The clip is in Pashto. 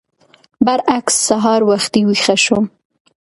برعکس سهار وختي ويښه شوم.